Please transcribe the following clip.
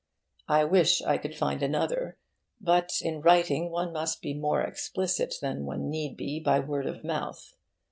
I wish I could find another; but in writing one must be more explicit than one need be by word of mouth.